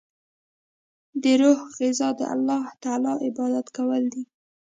د روح غذا د الله تعالی عبادت کول دی.